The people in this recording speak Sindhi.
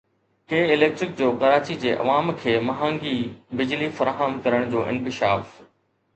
ڪي اليڪٽرڪ جو ڪراچي جي عوام کي مهانگي بجلي فراهم ڪرڻ جو انڪشاف